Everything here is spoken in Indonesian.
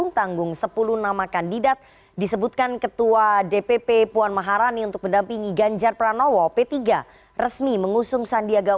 harman selamat malam bang benny